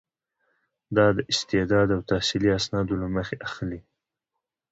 دا د استعداد او تحصیلي اسنادو له مخې اخلي.